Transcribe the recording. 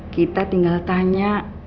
kita tinggal tanya